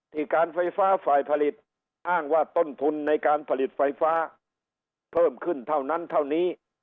การไฟฟ้าฝ่ายผลิตอ้างว่าต้นทุนในการผลิตไฟฟ้าเพิ่มขึ้นเท่านั้นเท่านี้